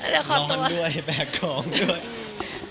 นอนด้วยแบกของด้วย